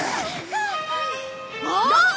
あっ！